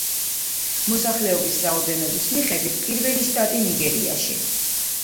მოსახლეობის რაოდენობის მიხედვით პირველი შტატი ნიგერიაში.